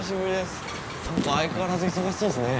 何か相変わらず忙しそうっすね。